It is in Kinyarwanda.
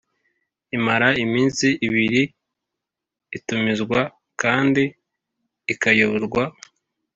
imara iminsi ibiri itumizwa kandi ikayoborwa